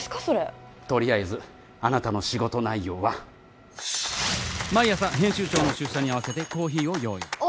それとりあえずあなたの仕事内容は毎朝編集長の出社に合わせてコーヒーを用意